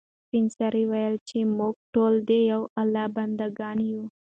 سپین سرې وویل چې موږ ټول د یو الله بنده ګان یو.